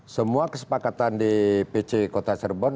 semua kesepakatan di pc kota cirebon